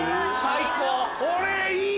最高。